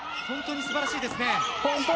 本当に素晴らしいです。